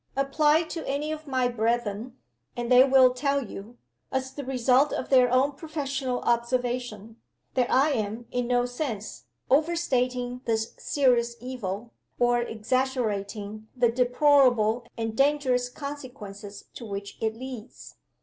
Apply to any of my brethren; and they will tell you, as the result of their own professional observation, that I am, in no sense, overstating this serious evil, or exaggerating the deplorable and dangerous consequences to which it leads.